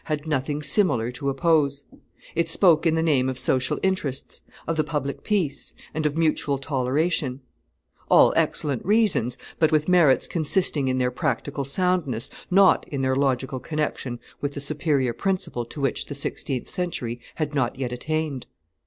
had nothing similar to oppose; it spoke in the name of social interests, of the public peace, and of mutual toleration; all excellent reasons, but with merits consisting in their practical soundness, not in their logical connection with the superior principle to which the sixteenth century had not yet attained.